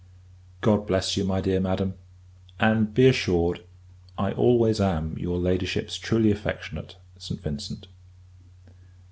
God bless you, my dear Madam; and, be assured, I always am your Ladyship's truly affectionate ST. VINCENT.